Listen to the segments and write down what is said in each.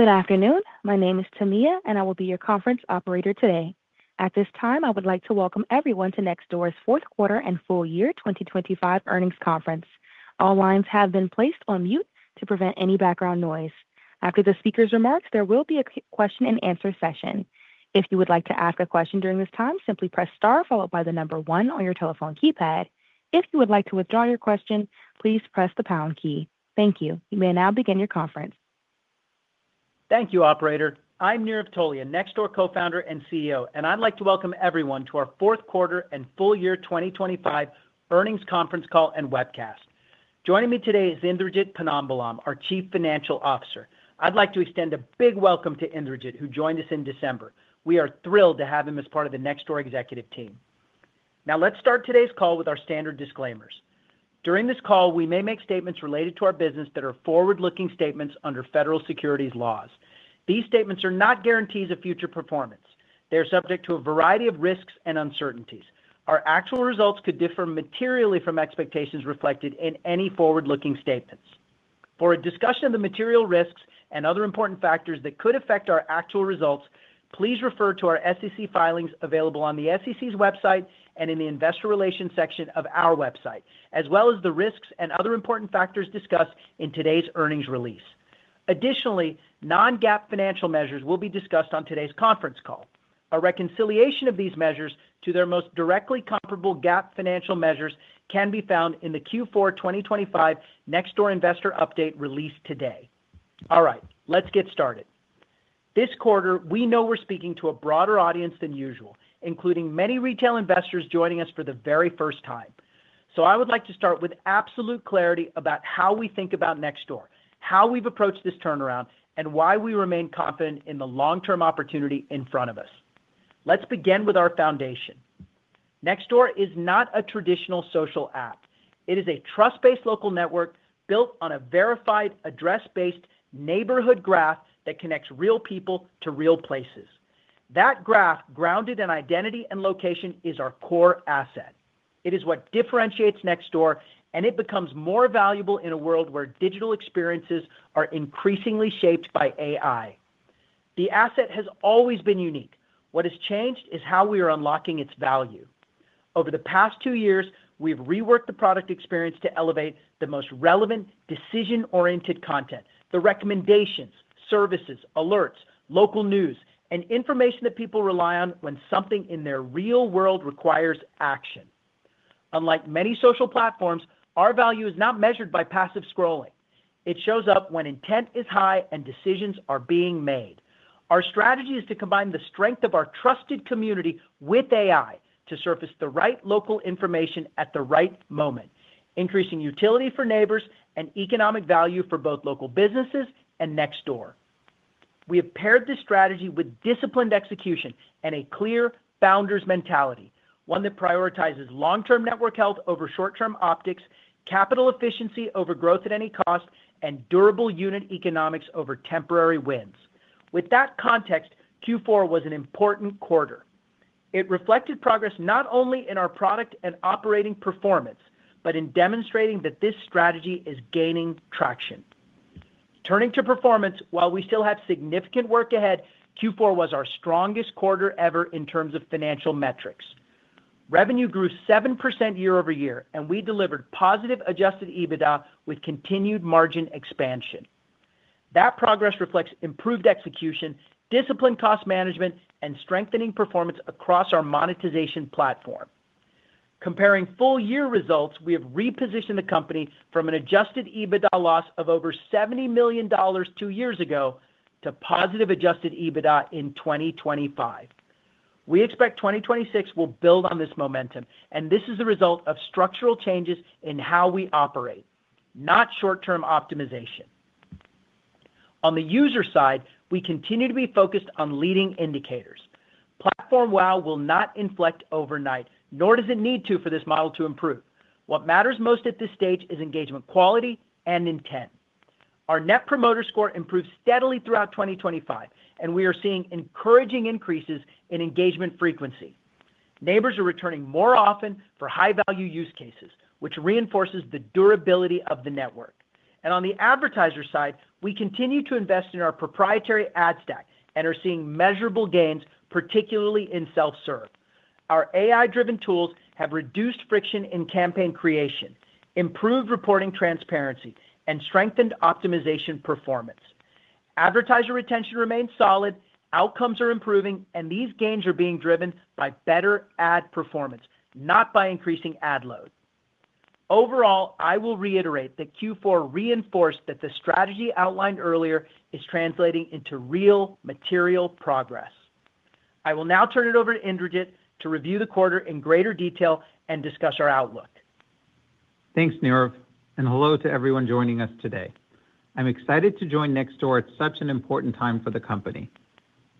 Good afternoon. My name is Tamia, and I will be your conference operator today. At this time, I would like to welcome everyone to Nextdoor's Fourth Quarter and Full Year 2025 Earnings Conference. All lines have been placed on mute to prevent any background noise. After the speaker's remarks, there will be a question and answer session. If you would like to ask a question during this time, simply press star, followed by the number 1 on your telephone keypad. If you would like to withdraw your question, please press the pound key. Thank you. You may now begin your conference. Thank you, operator. I'm Nirav Tolia, Nextdoor Co-founder and CEO, and I'd like to welcome everyone to our fourth quarter and full year 2025 earnings conference call and webcast. Joining me today is Indrajit Ponnambalam, our Chief Financial Officer. I'd like to extend a big welcome to Indrajit, who joined us in December. We are thrilled to have him as part of the Nextdoor executive team. Now, let's start today's call with our standard disclaimers. During this call, we may make statements related to our business that are forward-looking statements under federal securities laws. These statements are not guarantees of future performance. They are subject to a variety of risks and uncertainties. Our actual results could differ materially from expectations reflected in any forward-looking statements. For a discussion of the material risks and other important factors that could affect our actual results, please refer to our SEC filings available on the SEC's website and in the Investor Relations section of our website, as well as the risks and other important factors discussed in today's earnings release. Additionally, non-GAAP financial measures will be discussed on today's conference call. A reconciliation of these measures to their most directly comparable GAAP financial measures can be found in the Q4 2025 Nextdoor Investor Update released today. All right, let's get started. This quarter, we know we're speaking to a broader audience than usual, including many retail investors joining us for the very first time. So I would like to start with absolute clarity about how we think about Nextdoor, how we've approached this turnaround, and why we remain confident in the long-term opportunity in front of us. Let's begin with our foundation. Nextdoor is not a traditional social app. It is a trust-based local network built on a verified, address-based neighborhood graph that connects real people to real places. That graph, grounded in identity and location, is our core asset. It is what differentiates Nextdoor, and it becomes more valuable in a world where digital experiences are increasingly shaped by AI. The asset has always been unique. What has changed is how we are unlocking its value. Over the past two years, we've reworked the product experience to elevate the most relevant, decision-oriented content, the recommendations, services, alerts, local news, and information that people rely on when something in their real world requires action. Unlike many social platforms, our value is not measured by passive scrolling. It shows up when intent is high and decisions are being made. Our strategy is to combine the strength of our trusted community with AI to surface the right local information at the right moment, increasing utility for neighbors and economic value for both local businesses and Nextdoor. We have paired this strategy with disciplined execution and a clear founder's mentality, one that prioritizes long-term network health over short-term optics, capital efficiency over growth at any cost, and durable unit economics over temporary wins. With that context, Q4 was an important quarter. It reflected progress not only in our product and operating performance, but in demonstrating that this strategy is gaining traction. Turning to performance, while we still have significant work ahead, Q4 was our strongest quarter ever in terms of financial metrics. Revenue grew 7% year-over-year, and we delivered positive Adjusted EBITDA with continued margin expansion. That progress reflects improved execution, disciplined cost management, and strengthening performance across our monetization platform. Comparing full year results, we have repositioned the company from an adjusted EBITDA loss of over $70 million two years ago to positive adjusted EBITDA in 2025. We expect 2026 will build on this momentum, and this is a result of structural changes in how we operate, not short-term optimization. On the user side, we continue to be focused on leading indicators. Platform WAU will not inflect overnight, nor does it need to for this model to improve. What matters most at this stage is engagement, quality, and intent. Our Net Promoter Score improved steadily throughout 2025, and we are seeing encouraging increases in engagement frequency. Neighbors are returning more often for high-value use cases, which reinforces the durability of the network. On the advertiser side, we continue to invest in our proprietary ad stack and are seeing measurable gains, particularly in self-serve. Our AI-driven tools have reduced friction in campaign creation, improved reporting transparency, and strengthened optimization performance. Advertiser retention remains solid, outcomes are improving, and these gains are being driven by better ad performance, not by increasing ad load. Overall, I will reiterate that Q4 reinforced that the strategy outlined earlier is translating into real, material progress. I will now turn it over to Indrajit to review the quarter in greater detail and discuss our outlook. Thanks, Nirav, and hello to everyone joining us today. I'm excited to join Nextdoor at such an important time for the company.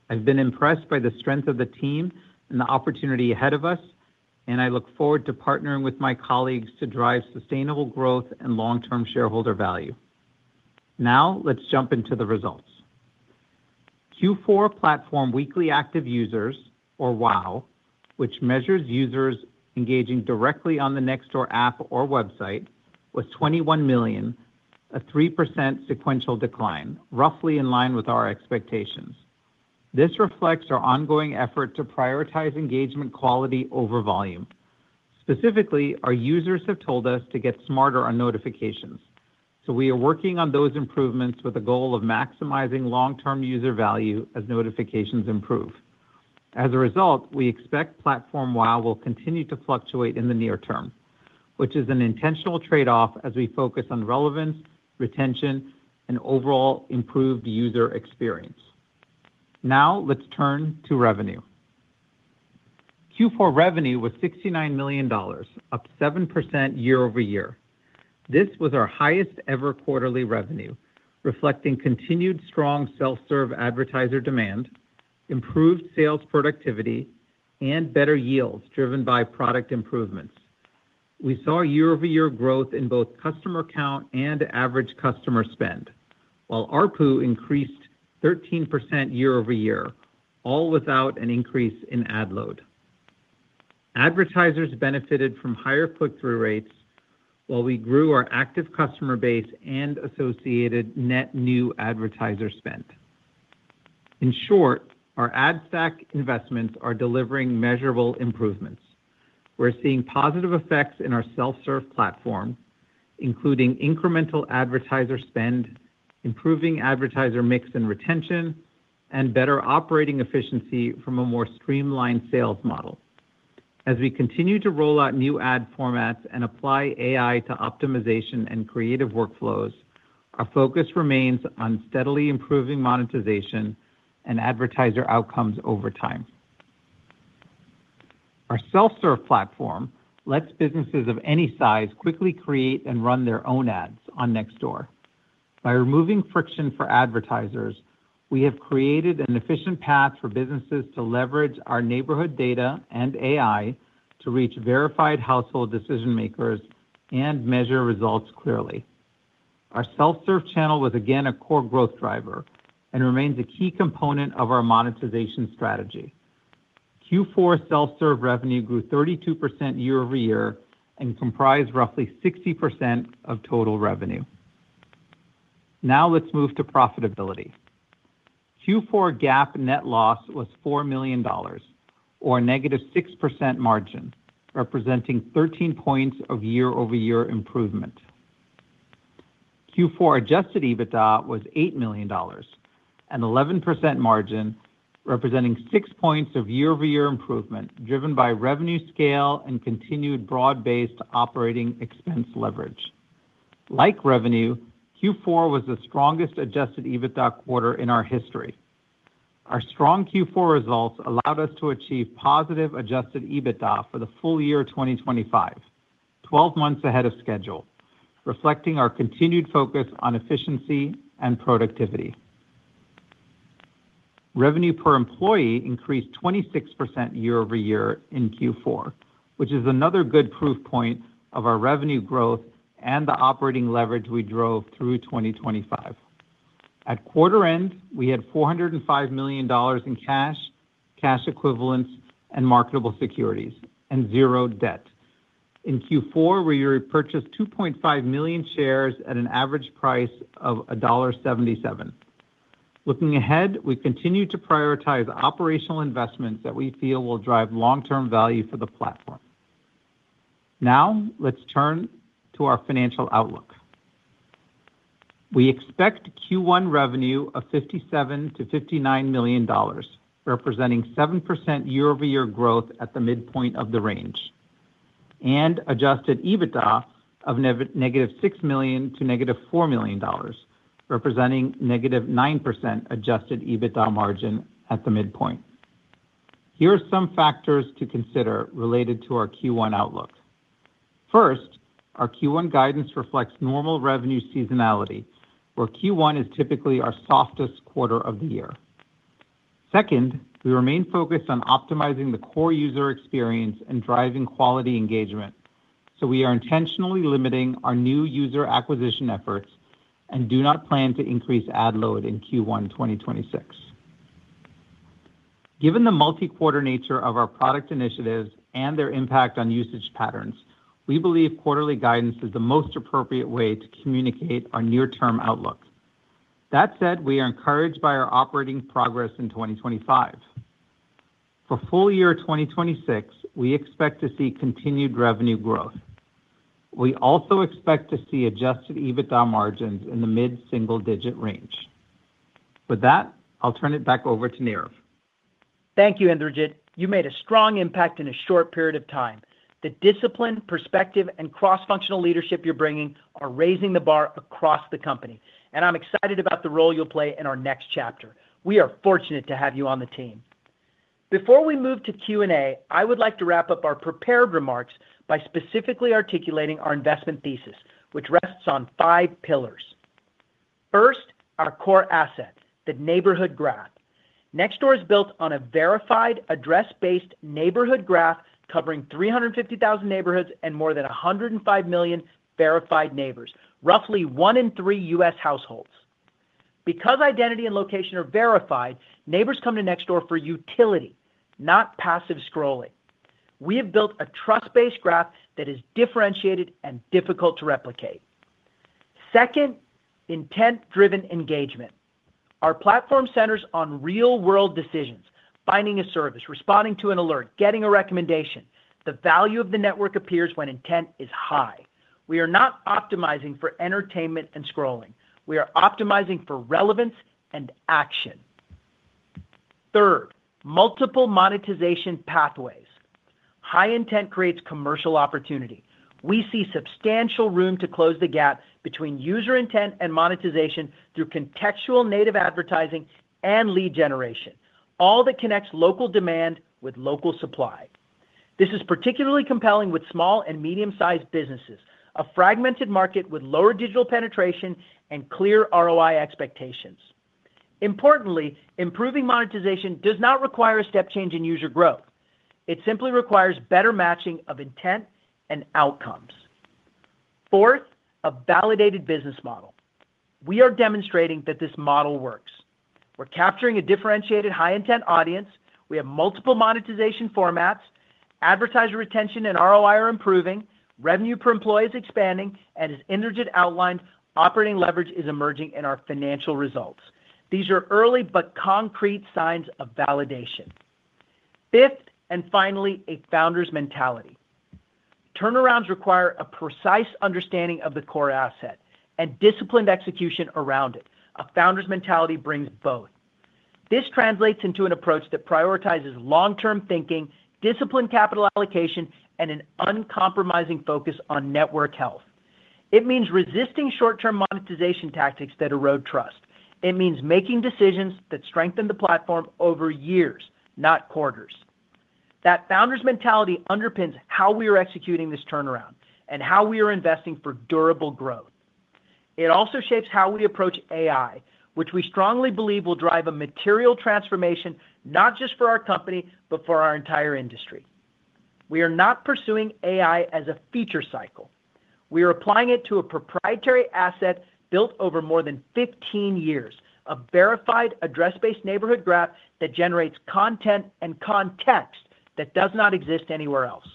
I've been impressed by the strength of the team and the opportunity ahead of us, and I look forward to partnering with my colleagues to drive sustainable growth and long-term shareholder value. Now, let's jump into the results. Q4 platform weekly active users, or WAU, which measures users engaging directly on the Nextdoor app or website, was 21 million, a 3% sequential decline, roughly in line with our expectations. This reflects our ongoing effort to prioritize engagement quality over volume. Specifically, our users have told us to get smarter on notifications, so we are working on those improvements with the goal of maximizing long-term user value as notifications improve. As a result, we expect platform WAU will continue to fluctuate in the near term, which is an intentional trade-off as we focus on relevance, retention, and overall improved user experience. Now let's turn to revenue. Q4 revenue was $69 million, up 7% year-over-year. This was our highest-ever quarterly revenue, reflecting continued strong self-serve advertiser demand, improved sales productivity, and better yields driven by product improvements. We saw year-over-year growth in both customer count and average customer spend, while ARPU increased 13% year-over-year, all without an increase in ad load. Advertisers benefited from higher click-through rates, while we grew our active customer base and associated net new advertiser spend. In short, our ad stack investments are delivering measurable improvements. We're seeing positive effects in our self-serve platform, including incremental advertiser spend, improving advertiser mix and retention, and better operating efficiency from a more streamlined sales model. As we continue to roll out new ad formats and apply AI to optimization and creative workflows, our focus remains on steadily improving monetization and advertiser outcomes over time. Our self-serve platform lets businesses of any size quickly create and run their own ads on Nextdoor. By removing friction for advertisers, we have created an efficient path for businesses to leverage our neighborhood data and AI to reach verified household decision-makers and measure results clearly. Our self-serve channel was again, a core growth driver and remains a key component of our monetization strategy. Q4 self-serve revenue grew 32% year-over-year and comprised roughly 60% of total revenue. Now let's move to profitability. Q4 GAAP net loss was $4 million, or -6% margin, representing 13 points of year-over-year improvement. Q4 Adjusted EBITDA was $8 million, an 11% margin, representing 6 points of year-over-year improvement, driven by revenue scale and continued broad-based operating expense leverage. Like revenue, Q4 was the strongest Adjusted EBITDA quarter in our history. Our strong Q4 results allowed us to achieve positive Adjusted EBITDA for the full year 2025, 12 months ahead of schedule, reflecting our continued focus on efficiency and productivity. Revenue per employee increased 26% year-over-year in Q4, which is another good proof point of our revenue growth and the operating leverage we drove through 2025. At quarter end, we had $405 million in cash, cash equivalents, and marketable securities, and 0 debt. In Q4, we repurchased 2.5 million shares at an average price of $1.77. Looking ahead, we continue to prioritize operational investments that we feel will drive long-term value for the platform. Now, let's turn to our financial outlook. We expect Q1 revenue of $57 million-$59 million, representing 7% year-over-year growth at the midpoint of the range, and adjusted EBITDA of -$6 million to -$4 million, representing -9% adjusted EBITDA margin at the midpoint. Here are some factors to consider related to our Q1 outlook. First, our Q1 guidance reflects normal revenue seasonality, where Q1 is typically our softest quarter of the year. Second, we remain focused on optimizing the core user experience and driving quality engagement, so we are intentionally limiting our new user acquisition efforts and do not plan to increase ad load in Q1 2026. Given the multi-quarter nature of our product initiatives and their impact on usage patterns, we believe quarterly guidance is the most appropriate way to communicate our near-term outlook. That said, we are encouraged by our operating progress in 2025. For full year 2026, we expect to see continued revenue growth. We also expect to see Adjusted EBITDA margins in the mid-single-digit range. With that, I'll turn it back over to Nirav. Thank you, Indrajit. You made a strong impact in a short period of time. The discipline, perspective, and cross-functional leadership you're bringing are raising the bar across the company, and I'm excited about the role you'll play in our next chapter. We are fortunate to have you on the team. Before we move to Q&A, I would like to wrap up our prepared remarks by specifically articulating our investment thesis, which rests on five pillars. First, our core asset, the neighborhood graph.... Nextdoor is built on a verified, address-based neighborhood graph covering 350,000 neighborhoods and more than 105 million verified neighbors, roughly one in three U.S. households. Because identity and location are verified, neighbors come to Nextdoor for utility, not passive scrolling. We have built a trust-based graph that is differentiated and difficult to replicate. Second, intent-driven engagement. Our platform centers on real-world decisions: finding a service, responding to an alert, getting a recommendation. The value of the network appears when intent is high. We are not optimizing for entertainment and scrolling. We are optimizing for relevance and action. Third, multiple monetization pathways. High intent creates commercial opportunity. We see substantial room to close the gap between user intent and monetization through contextual native advertising and lead generation, all that connects local demand with local supply. This is particularly compelling with small and medium-sized businesses, a fragmented market with lower digital penetration and clear ROI expectations. Importantly, improving monetization does not require a step change in user growth. It simply requires better matching of intent and outcomes. Fourth, a validated business model. We are demonstrating that this model works. We're capturing a differentiated high-intent audience. We have multiple monetization formats, advertiser retention and ROI are improving, revenue per employee is expanding, and as Indrajit outlined, operating leverage is emerging in our financial results. These are early but concrete signs of validation. Fifth, and finally, a founder's mentality. Turnarounds require a precise understanding of the core asset and disciplined execution around it. A founder's mentality brings both. This translates into an approach that prioritizes long-term thinking, disciplined capital allocation, and an uncompromising focus on network health. It means resisting short-term monetization tactics that erode trust. It means making decisions that strengthen the platform over years, not quarters. That founder's mentality underpins how we are executing this turnaround and how we are investing for durable growth. It also shapes how we approach AI, which we strongly believe will drive a material transformation, not just for our company, but for our entire industry. We are not pursuing AI as a feature cycle. We are applying it to a proprietary asset built over more than 15 years, a verified address-based neighborhood graph that generates content and context that does not exist anywhere else.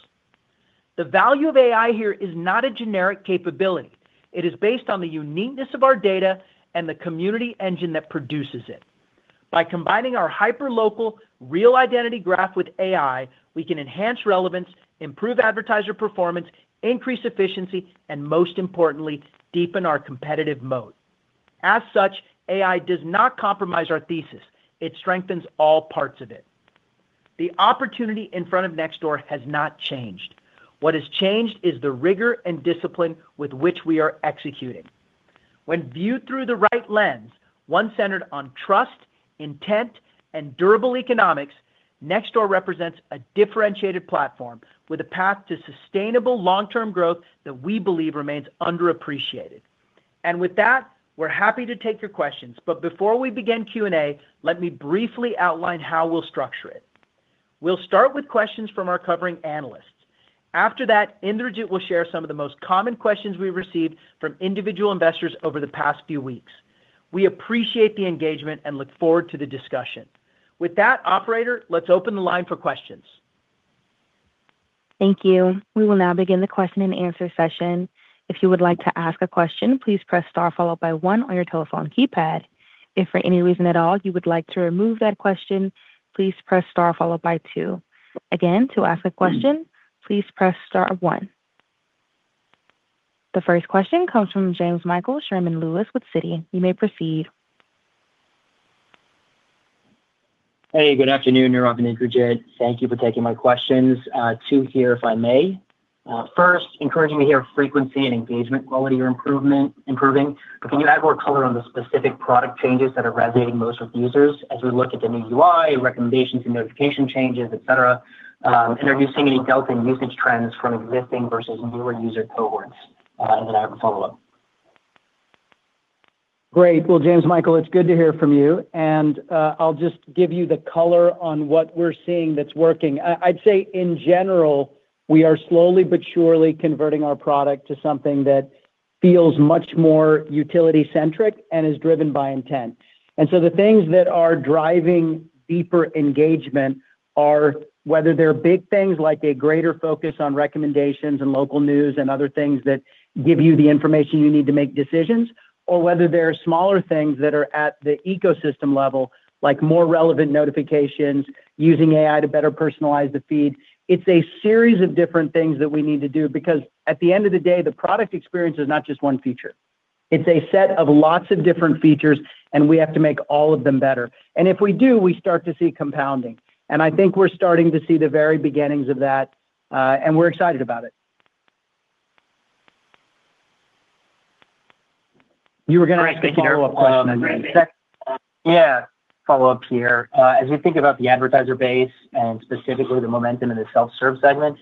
The value of AI here is not a generic capability. It is based on the uniqueness of our data and the community engine that produces it. By combining our hyperlocal, real identity graph with AI, we can enhance relevance, improve advertiser performance, increase efficiency, and most importantly, deepen our competitive moat. As such, AI does not compromise our thesis. It strengthens all parts of it. The opportunity in front of Nextdoor has not changed. What has changed is the rigor and discipline with which we are executing. When viewed through the right lens, one centered on trust, intent, and durable economics, Nextdoor represents a differentiated platform with a path to sustainable long-term growth that we believe remains underappreciated. And with that, we're happy to take your questions. Before we begin Q&A, let me briefly outline how we'll structure it. We'll start with questions from our covering analysts. After that, Indrajit will share some of the most common questions we've received from individual investors over the past few weeks. We appreciate the engagement and look forward to the discussion. With that, operator, let's open the line for questions. Thank you. We will now begin the question and answer session. If you would like to ask a question, please press star followed by one on your telephone keypad. If for any reason at all, you would like to remove that question, please press star followed by two. Again, to ask a question, please press star one. The first question comes from James Michael Sherman-Lewis with Citi. You may proceed. Hey, good afternoon, Nirav and Indrajit. Thank you for taking my questions, two here, if I may. First, encouraging to hear frequency and engagement quality are improving, but can you add more color on the specific product changes that are resonating most with users as we look at the new UI, recommendations and notification changes, et cetera? And are you seeing any delta in usage trends from existing versus newer user cohorts? And then I have a follow-up. Great. Well, James Michael, it's good to hear from you, and, I'll just give you the color on what we're seeing that's working. I, I'd say in general, we are slowly but surely converting our product to something that feels much more utility-centric and is driven by intent. And so the things that are driving deeper engagement are whether they're big things, like a greater focus on recommendations and local news and other things that give you the information you need to make decisions, or whether they're smaller things that are at the ecosystem level, like more relevant notifications, using AI to better personalize the feed. It's a series of different things that we need to do because at the end of the day, the product experience is not just one feature. It's a set of lots of different features, and we have to make all of them better. If we do, we start to see compounding. I think we're starting to see the very beginnings of that, and we're excited about it. You were going to ask a follow-up question. Yeah, follow-up here. As we think about the advertiser base and specifically the momentum in the self-serve segment,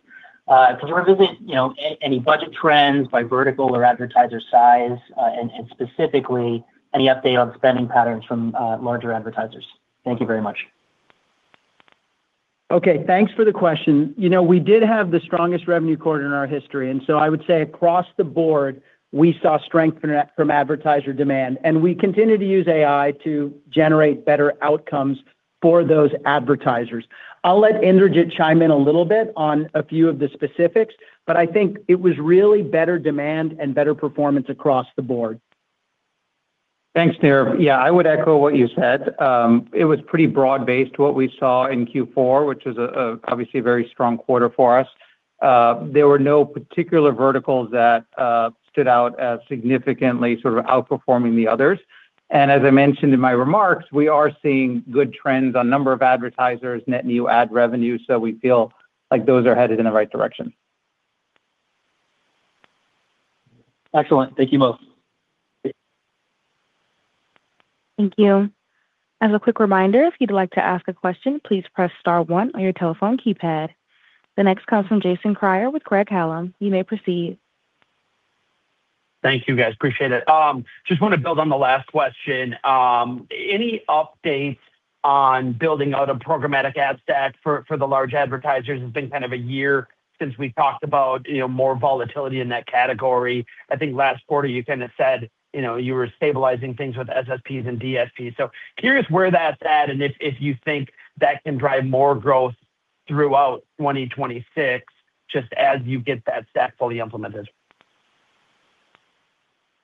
could you revisit, you know, any budget trends by vertical or advertiser size, and specifically, any update on spending patterns from larger advertisers? Thank you very much. Okay, thanks for the question. You know, we did have the strongest revenue quarter in our history, and so I would say across the board, we saw strength from advertiser demand, and we continue to use AI to generate better outcomes for those advertisers. I'll let Indrajit chime in a little bit on a few of the specifics, but I think it was really better demand and better performance across the board. Thanks, Nirav. Yeah, I would echo what you said. It was pretty broad-based, what we saw in Q4, which is obviously very strong quarter for us. There were no particular verticals that stood out as significantly sort of outperforming the others. As I mentioned in my remarks, we are seeing good trends on number of advertisers, net new ad revenue, so we feel like those are headed in the right direction. Excellent. Thank you both. Thank you. As a quick reminder, if you'd like to ask a question, please press star one on your telephone keypad. The next comes from Jason Kreyer with Craig-Hallum. You may proceed. Thank you, guys. Appreciate it. Just want to build on the last question. Any updates on building out a programmatic ad stack for, for the large advertisers? It's been kind of a year since we talked about, you know, more volatility in that category. I think last quarter you kind of said, you know, you were stabilizing things with SSPs and DSPs. So curious where that's at and if, if you think that can drive more growth throughout 2026, just as you get that stack fully implemented.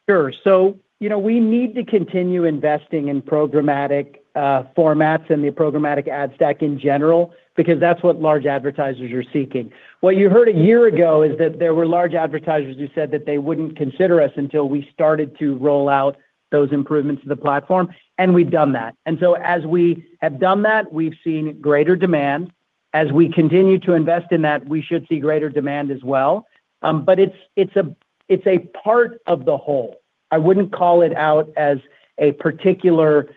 Sure. So, you know, we need to continue investing in programmatic formats and the programmatic ad stack in general, because that's what large advertisers are seeking. What you heard a year ago is that there were large advertisers who said that they wouldn't consider us until we started to roll out those improvements to the platform, and we've done that. And so as we have done that, we've seen greater demand. As we continue to invest in that, we should see greater demand as well. But it's a part of the whole. I wouldn't call it out as a particular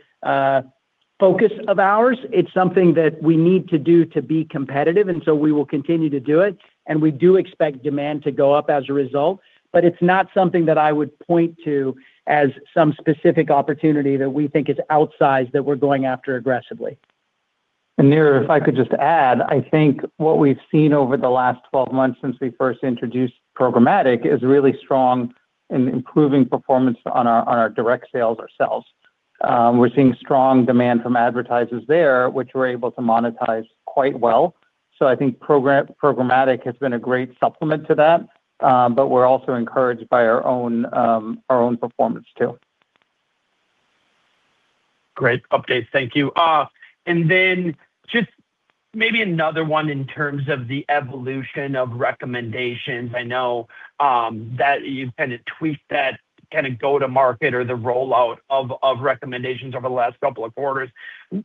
focus of ours. It's something that we need to do to be competitive, and so we will continue to do it, and we do expect demand to go up as a result. But it's not something that I would point to as some specific opportunity that we think is outsized, that we're going after aggressively. And Nirav, if I could just add, I think what we've seen over the last 12 months since we first introduced programmatic is really strong in improving performance on our direct sales ourselves. We're seeing strong demand from advertisers there, which we're able to monetize quite well. So I think programmatic has been a great supplement to that, but we're also encouraged by our own performance too. Great update. Thank you. And then just maybe another one in terms of the evolution of recommendations. I know that you've kinda tweaked that kinda go-to-market or the rollout of recommendations over the last couple of quarters. And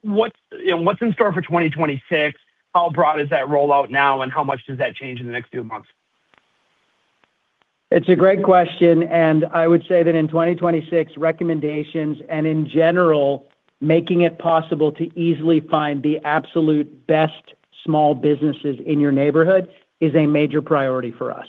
what's in store for 2026? How broad is that rollout now, and how much does that change in the next few months? It's a great question, and I would say that in 2026, recommendations, and in general, making it possible to easily find the absolute best small businesses in your neighborhood is a major priority for us.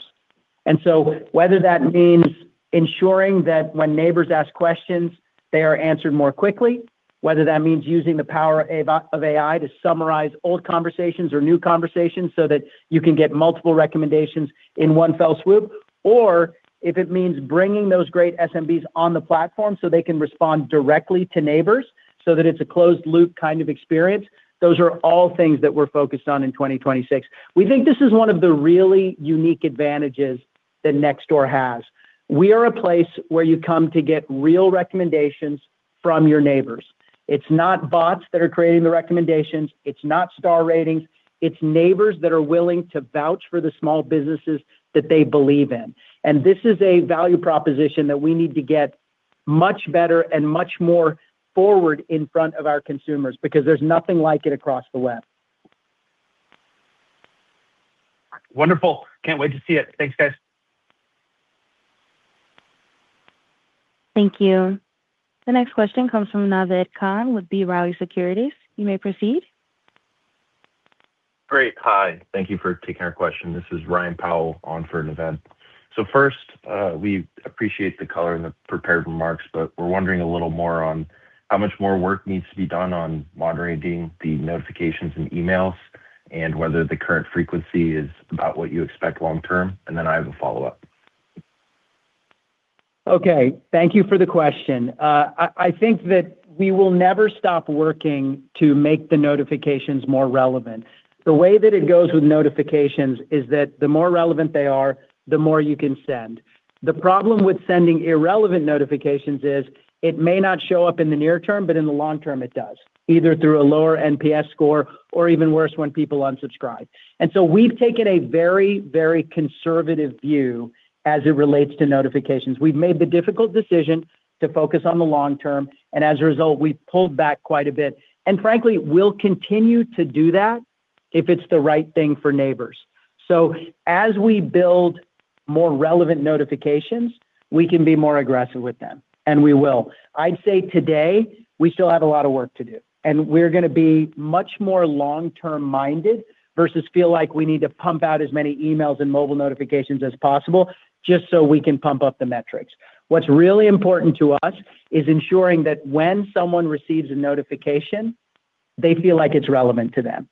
And so whether that means ensuring that when neighbors ask questions, they are answered more quickly, whether that means using the power of AI, of AI to summarize old conversations or new conversations so that you can get multiple recommendations in one fell swoop, or if it means bringing those great SMBs on the platform so they can respond directly to neighbors so that it's a closed loop kind of experience, those are all things that we're focused on in 2026. We think this is one of the really unique advantages that Nextdoor has. We are a place where you come to get real recommendations from your neighbors. It's not bots that are creating the recommendations, it's not star ratings, it's neighbors that are willing to vouch for the small businesses that they believe in. This is a value proposition that we need to get much better and much more forward in front of our consumers, because there's nothing like it across the web. Wonderful. Can't wait to see it. Thanks, guys. Thank you. The next question comes from Naved Khan with B. Riley Securities. You may proceed. Great. Hi, thank you for taking our question. This is Ryan Powell with B. Riley Securities on for Naved. First, we appreciate the color and the prepared remarks, but we're wondering a little more on how much more work needs to be done on moderating the notifications and emails, and whether the current frequency is about what you expect long term. I have a follow-up. Okay, thank you for the question. I think that we will never stop working to make the notifications more relevant. The way that it goes with notifications is that the more relevant they are, the more you can send. The problem with sending irrelevant notifications is, it may not show up in the near term, but in the long term, it does, either through a lower NPS score or even worse, when people unsubscribe. And so we've taken a very, very conservative view as it relates to notifications. We've made the difficult decision to focus on the long term, and as a result, we've pulled back quite a bit. And frankly, we'll continue to do that if it's the right thing for neighbors. So as we build more relevant notifications, we can be more aggressive with them, and we will. I'd say today, we still have a lot of work to do, and we're going to be much more long-term minded versus feel like we need to pump out as many emails and mobile notifications as possible just so we can pump up the metrics. What's really important to us is ensuring that when someone receives a notification, they feel like it's relevant to them.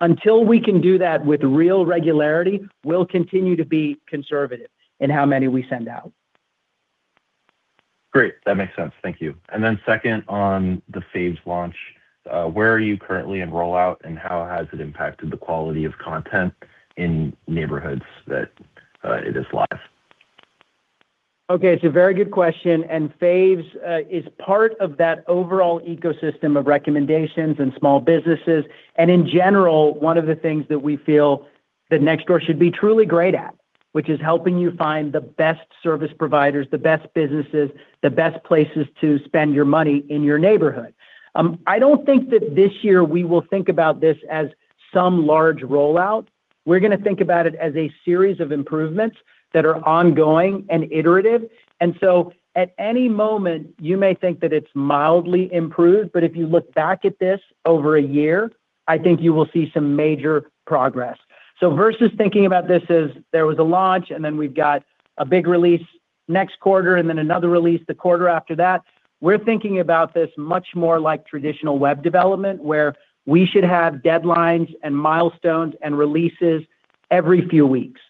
Until we can do that with real regularity, we'll continue to be conservative in how many we send out. Great. That makes sense. Thank you. Second, on the Faves launch, where are you currently in rollout, and how has it impacted the quality of content in neighborhoods that it is live? Okay, it's a very good question, and Faves is part of that overall ecosystem of recommendations and small businesses, and in general, one of the things that we feel that Nextdoor should be truly great at, which is helping you find the best service providers, the best businesses, the best places to spend your money in your neighborhood. I don't think that this year we will think about this as some large rollout. We're going to think about it as a series of improvements that are ongoing and iterative. And so at any moment, you may think that it's mildly improved, but if you look back at this over a year, I think you will see some major progress. Versus thinking about this as there was a launch, and then we've got a big release next quarter and then another release the quarter after that, we're thinking about this much more like traditional web development, where we should have deadlines and milestones and releases every few weeks.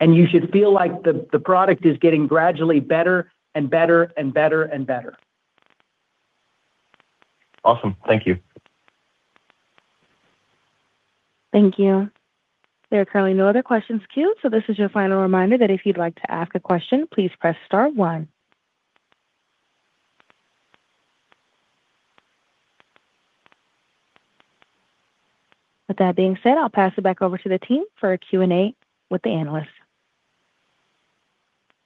You should feel like the product is getting gradually better and better and better and better. Awesome. Thank you. Thank you. There are currently no other questions queued, so this is your final reminder that if you'd like to ask a question, please press star one. With that being said, I'll pass it back over to the team for a Q&A with the analysts.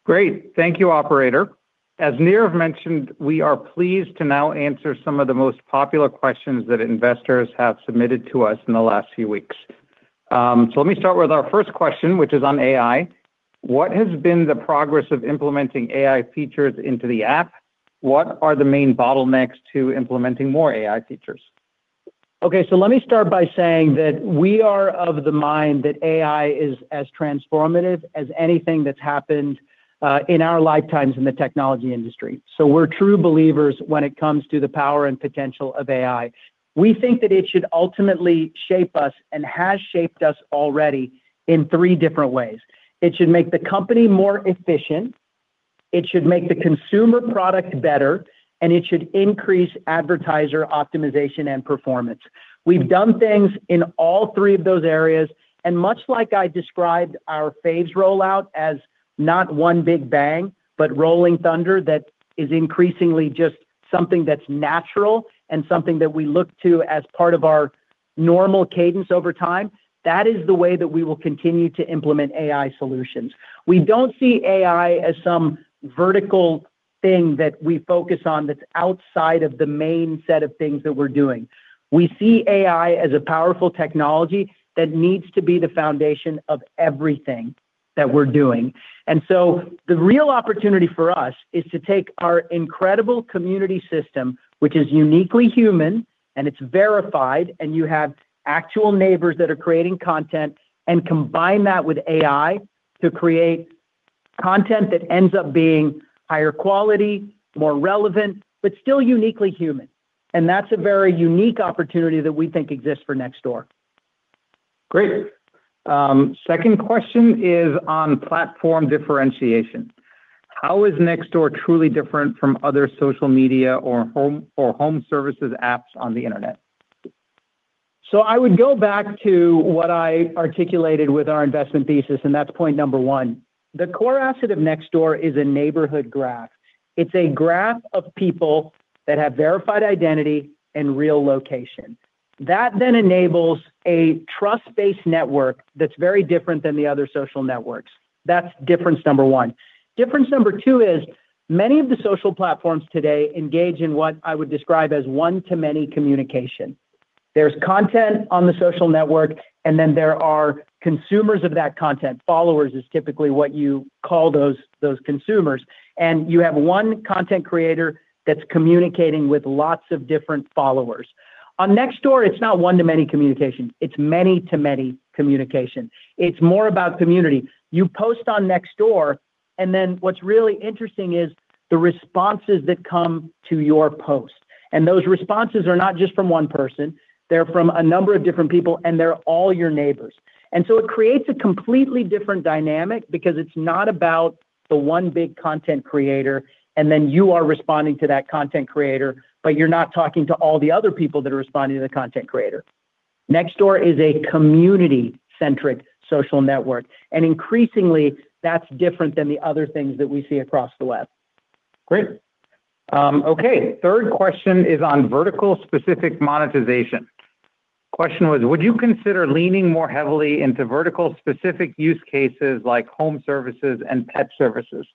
Great. Thank you, operator. As Nirav mentioned, we are pleased to now answer some of the most popular questions that investors have submitted to us in the last few weeks. So let me start with our first question, which is on AI. What has been the progress of implementing AI features into the app? What are the main bottlenecks to implementing more AI features? Okay, so let me start by saying that we are of the mind that AI is as transformative as anything that's happened in our lifetimes in the technology industry. So we're true believers when it comes to the power and potential of AI. We think that it should ultimately shape us and has shaped us already in three different ways. It should make the company more efficient, it should make the consumer product better, and it should increase advertiser optimization and performance. We've done things in all three of those areas, and much like I described our Faves rollout as not one big bang, but rolling thunder, that is increasingly just something that's natural and something that we look to as part of our normal cadence over time, that is the way that we will continue to implement AI solutions. We don't see AI as some vertical thing that we focus on that's outside of the main set of things that we're doing. We see AI as a powerful technology that needs to be the foundation of everything that we're doing. And so the real opportunity for us is to take our incredible community system, which is uniquely human, and it's verified, and you have actual neighbors that are creating content, and combine that with AI to create content that ends up being higher quality, more relevant, but still uniquely human. And that's a very unique opportunity that we think exists for Nextdoor. Great. Second question is on platform differentiation. How is Nextdoor truly different from other social media or home services apps on the internet? So I would go back to what I articulated with our investment thesis, and that's point number one. The core asset of Nextdoor is a neighborhood graph. It's a graph of people that have verified identity and real location. That then enables a trust-based network that's very different than the other social networks. That's difference number one. Difference number two is, many of the social platforms today engage in what I would describe as one-to-many communication. There's content on the social network, and then there are consumers of that content. Followers is typically what you call those, those consumers. And you have one content creator that's communicating with lots of different followers. On Nextdoor, it's not one-to-many communication, it's many-to-many communication. It's more about community. You post on Nextdoor, and then what's really interesting is the responses that come to your post. Those responses are not just from one person, they're from a number of different people, and they're all your neighbors. So it creates a completely different dynamic because it's not about the one big content creator, and then you are responding to that content creator, but you're not talking to all the other people that are responding to the content creator. Nextdoor is a community-centric social network, and increasingly, that's different than the other things that we see across the web. Great. Okay, third question is on vertical-specific monetization. Question was: Would you consider leaning more heavily into vertical-specific use cases like home services and pet services?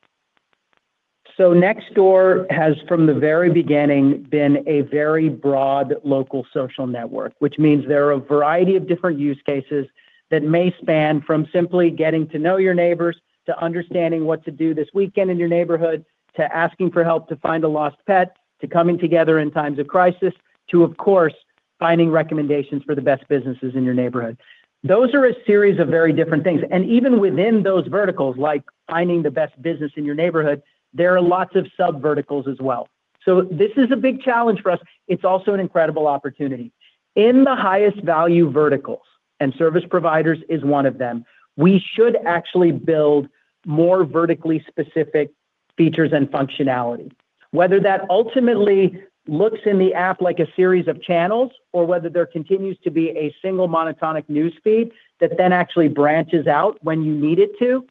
So Nextdoor has, from the very beginning, been a very broad local social network, which means there are a variety of different use cases that may span from simply getting to know your neighbors, to understanding what to do this weekend in your neighborhood, to asking for help to find a lost pet, to coming together in times of crisis, to, of course, finding recommendations for the best businesses in your neighborhood. Those are a series of very different things, and even within those verticals, like finding the best business in your neighborhood, there are lots of subverticals as well. So this is a big challenge for us. It's also an incredible opportunity. In the highest value verticals, and service providers is one of them, we should actually build more vertically specific features and functionality. Whether that ultimately looks in the app like a series of channels or whether there continues to be a single monotonic newsfeed that then actually branches out when you need it to,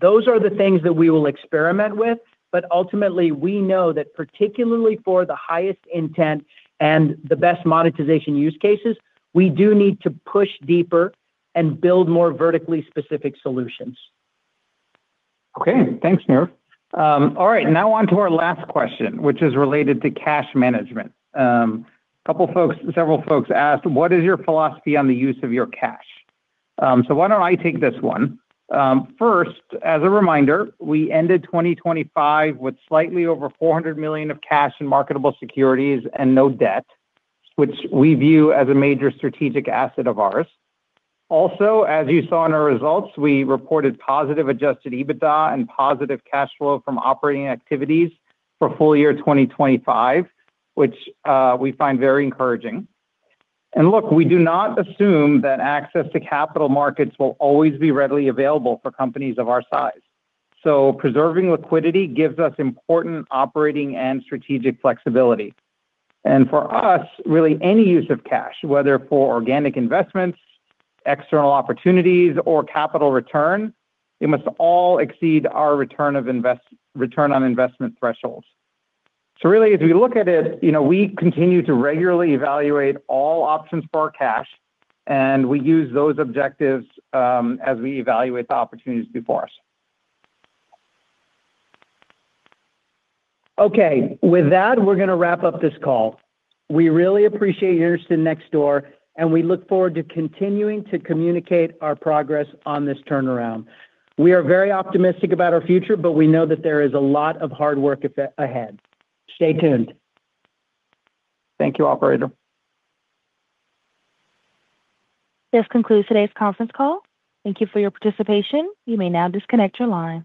those are the things that we will experiment with. But ultimately, we know that particularly for the highest intent and the best monetization use cases, we do need to push deeper and build more vertically specific solutions. Okay, thanks, Nir. All right, now on to our last question, which is related to cash management. A couple of folks, several folks asked, what is your philosophy on the use of your cash? So why don't I take this one? First, as a reminder, we ended 2025 with slightly over $400 million of cash and marketable securities and no debt, which we view as a major strategic asset of ours. Also, as you saw in our results, we reported positive Adjusted EBITDA and positive cash flow from operating activities for full year 2025, which we find very encouraging. And look, we do not assume that access to capital markets will always be readily available for companies of our size. So preserving liquidity gives us important operating and strategic flexibility. For us, really, any use of cash, whether for organic investments, external opportunities, or capital return, it must all exceed our return on investment thresholds. So really, as we look at it, you know, we continue to regularly evaluate all options for our cash, and we use those objectives as we evaluate the opportunities before us. Okay, with that, we're going to wrap up this call. We really appreciate your interest in Nextdoor, and we look forward to continuing to communicate our progress on this turnaround. We are very optimistic about our future, but we know that there is a lot of hard work ahead. Stay tuned. Thank you, operator. This concludes today's conference call. Thank you for your participation. You may now disconnect your line.